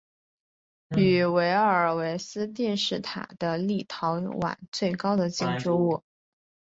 维尔纽斯电视塔是立陶宛最高的建筑物。